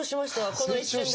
この一瞬で。